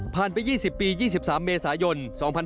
ผ่านไป๒๐ปี๒๓เมษายน๒๕๕๗